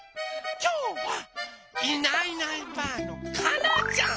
きょうは「いないいないばあっ！」のかなちゃん！